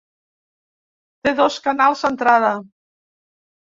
Té dos canals d'entrada.